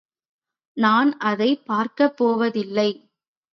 நான் அதைப் பார்க்கப் போவதில்லை.